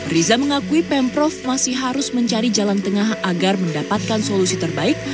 riza mengakui pemprov masih harus mencari jalan tengah agar mendapatkan solusi terbaik